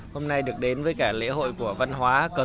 hôm nay được đến với cả lễ hội của đồng bào cà tu